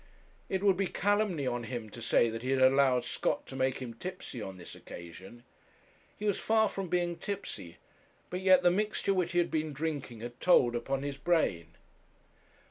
It would be calumny on him to say that he had allowed Scott to make him tipsy on this occasion. He was far from being tipsy; but yet the mixture which he had been drinking had told upon his brain.